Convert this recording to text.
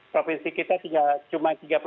provinsi kita cuma tiga puluh empat